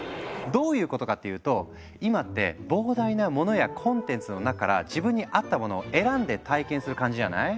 どういうことかっていうと今って膨大なモノやコンテンツの中から自分に合ったものを選んで体験する感じじゃない？